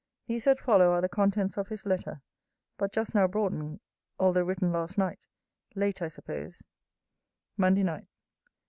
These that follow are the contents of his letter; but just now brought me, although written last night late I suppose. MONDAY NIGHT.